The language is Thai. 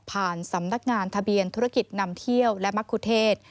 สำนักงานทะเบียนธุรกิจนำเที่ยวและมะคุเทศ